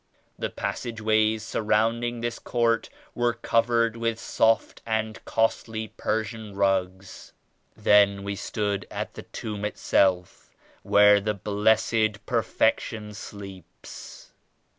The passage ways surrounding this court were covered with soft and costly Persian rugs. Then we stood at the Tomb itself where the Blessed Perfection sleeps.